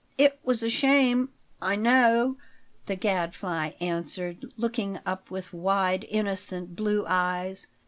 "It was a shame, I know," the Gadfly answered, looking up with wide, innocent blue eyes.